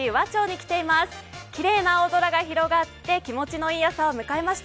きれいな青空が広がって気持ちのいい朝を迎えました。